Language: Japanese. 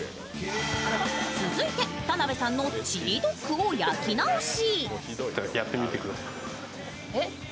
続いて、田辺さんのチリドッグを焼き直し。